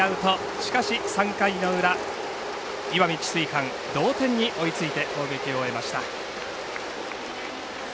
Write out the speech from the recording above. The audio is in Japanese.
しかし、３回の裏、石見智翠館同点に追いついて攻撃を終えました。